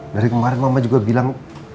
dari kemarin mama juga bilang